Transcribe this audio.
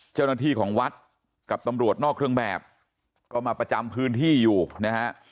เจ้าหน้าที่ของวัดกับตำรวจนอกเครื่องแบบก็มาประจำพื้นที่อยู่นะฮะ